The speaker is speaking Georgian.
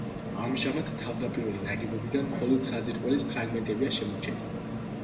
ამჟამად თავდაპირველი ნაგებობიდან მხოლოდ საძირკვლის ფრაგმენტებია შემორჩენილი.